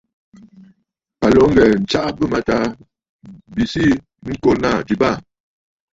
À lǒ ŋghɛ̀ɛ̀ ǹtsaʼa bɨ̂mâtaà bi sii ŋko naà ji baà.